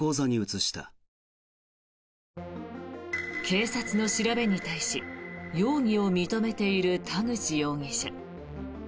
警察の調べに対し容疑を認めている田口容疑者。